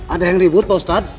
ada yang ribut pak ustadz